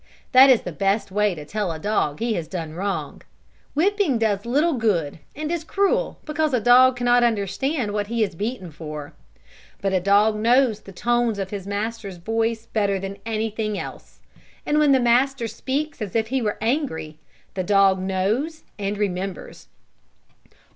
That is the best way to tell a dog that he has done wrong. Whipping does little good, and is cruel because a dog can not understand what he is beaten for. But a dog knows the tones of his master's voice better than anything else. And when the master speaks as if he were angry the dog knows, and remembers.